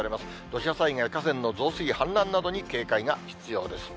土砂災害、河川の増水、氾濫などに警戒が必要です。